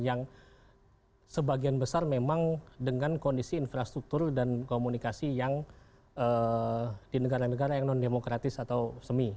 yang sebagian besar memang dengan kondisi infrastruktur dan komunikasi yang di negara negara yang non demokratis atau semi